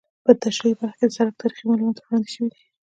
په تشریحي برخه کې د سرک تاریخي معلومات وړاندې شوي دي